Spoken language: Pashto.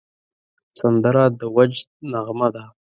سندره د وجد نغمه ده